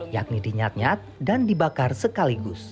yakni dinyat nyat dan dibakar sekaligus